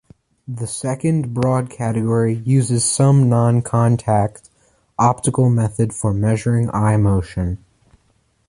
The second broad category uses some non-contact, optical method for measuring eye motion.